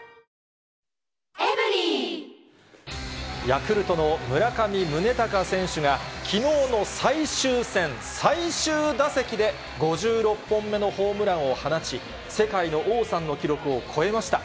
ヤクルトの村上宗隆選手が、きのうの最終戦、最終打席で、５６本目のホームランを放ち、世界の王さんの記録を超えました。